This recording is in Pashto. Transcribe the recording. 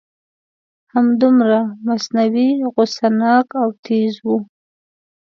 همدومره مصنوعي غصه ناک او تیز و.